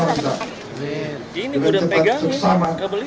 dengan cepat bersama